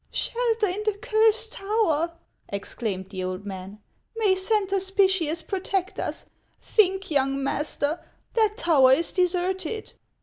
" Shelter in the Cursed Tower !" exclaimed the old man ;" may Saint Hospitius protect us ! Think, young master ; that tower is deserted."